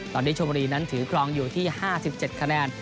ตอนนี้ชมบุรีนั้นถือครองอยู่ที่๕๗คะแนน